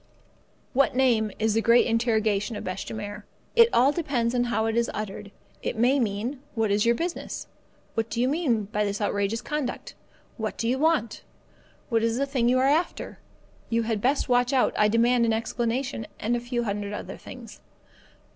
What name? is the great interrogation of bêche de mer. It all depends on how it is uttered. It may mean: What is your business? What do you mean by this outrageous conduct? What do you want? What is the thing you are after? You had best watch out; I demand an explanation; and a few hundred other things.